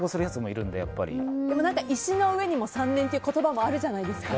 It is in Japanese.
石の上にも三年という言葉もあるじゃないですか。